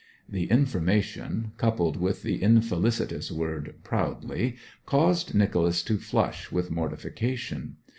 The information, coupled with the infelicitous word 'proudly,' caused Nicholas to flush with mortification.